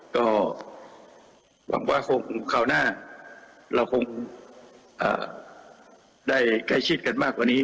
ก็หวังว่าคราวหน้าเราคงได้ใกล้ชิดกันมากกว่านี้